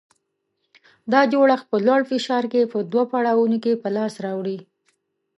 دا جوړښت په لوړ فشار کې په دوه پړاوونو کې په لاس راوړي.